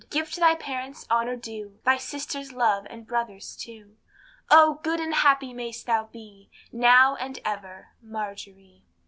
Give to thy parents honor due, Thy sisters love, and brothers too; Oh! good and happy mayst thou be, Now and ever, Margerie.